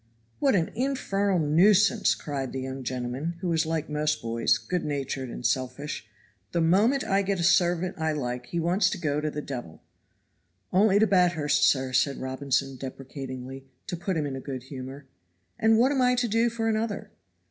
"What an infernal nuisance!" cried the young gentleman, who was like most boys, good natured and selfish. "The moment I get a servant I like he wants to go to the devil." "Only to Bathurst, sir," said Robinson deprecatingly, to put him in a good humor. "And what am I to do for another?"